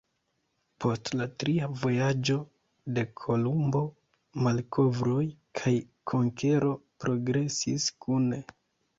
Post la tria vojaĝo de Kolumbo, malkovroj kaj konkero progresis kune.